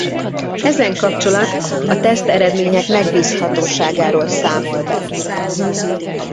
Ezen kapcsolat a teszteredmények megbízhatóságáról számol be.